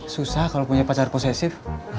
susah kalau punya pacar posesif